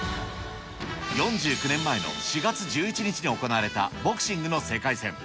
４９年前の４月１１日に行われたボクシングの世界戦。